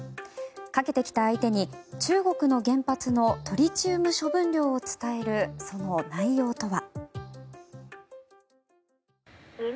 かけてきた相手に、中国の原発のトリチウム処分量を伝えるその内容とは。